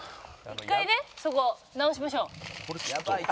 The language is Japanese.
一回ねそこ直しましょう。